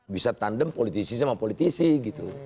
bisa tandem politisi sama politisi gitu